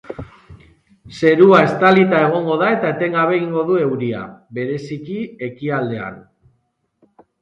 Zerua estalita egongo da eta etengabe egingo du euria, bereziki ekialdean.